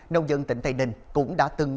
nông dân tỉnh tây ninh cũng đã từng